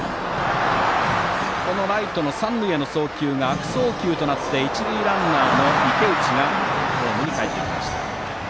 このライトの三塁への送球が悪送球となり一塁ランナーの池内がホームにかえってきました。